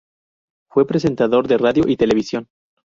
Fue presentador de radio y televisión.